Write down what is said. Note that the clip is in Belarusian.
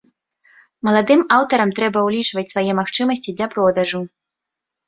Маладым аўтарам трэба ўлічваць свае магчымасці для продажу.